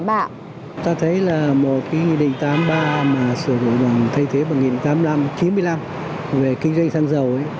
ta thấy là một nghị định tám mươi ba mà sửa đổi bằng thay thế bằng nghị định tám mươi năm chín mươi năm về kinh doanh xăng dầu